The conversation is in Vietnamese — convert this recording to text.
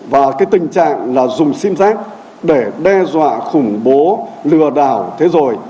và cái tình trạng là dùng sim giác để đe dọa khủng bố lừa đảo thế rồi